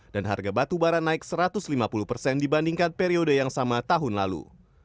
dan harga batubara naik satu ratus lima puluh persen dibandingkan periode yang sama tahun lalu